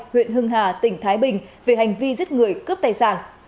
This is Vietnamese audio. huyện hưng hà tỉnh thái bình về hành vi giết người cướp tài sản